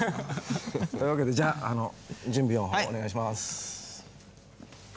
というわけでじゃ準備の方お願いします。